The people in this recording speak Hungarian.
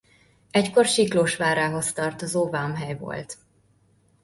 Egykor Siklós várához tartozó vámhely volt.